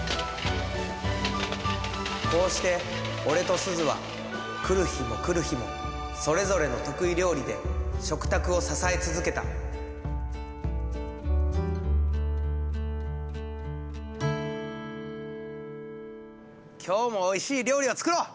こうして俺とすずは来る日も来る日もそれぞれの得意料理で食卓を支え続けた今日もおいしい料理を作ろう！